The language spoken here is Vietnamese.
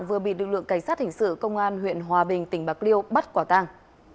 vừa bị lực lượng cảnh sát hình sự công an huyện hòa bình tỉnh bạc liêu bắt quả tàng